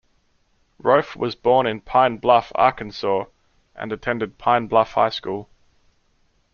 Roaf was born in Pine Bluff, Arkansas and attended Pine Bluff High School.